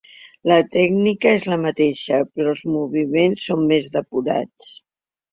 La tècnica és la mateixa però els moviments són més depurats.